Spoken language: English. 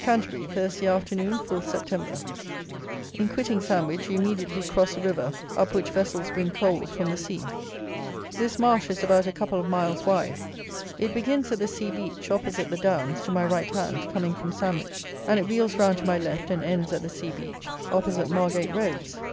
Canterbury, Thursday Afternoon, 4th Sept. In quitting Sandwich, you immediately cross a river up which vessels bring coals from the sea. This marsh is about a couple of miles wide. It begins at the sea beach, opposite the Downs, to my right hand, coming from Sandwich, and it wheels round to my left and ends at the sea beach, opposite Margate roads.